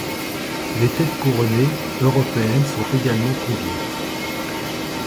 Les têtes couronnées européennes sont également conviées.